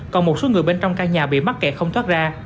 còn một số người bên trong căn nhà bị mắc kẹt không thoát ra